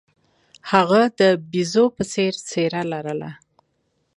هغه د بیزو په څیر څیره لرله.